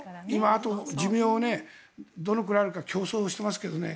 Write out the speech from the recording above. あと寿命どのぐらいあるか競争してますけどね。